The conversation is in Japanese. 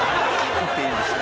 行っていいんですよ。